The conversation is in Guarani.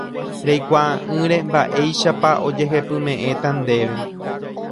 reikuaa'ỹre mba'éichapa ojehepyme'ẽta ndéve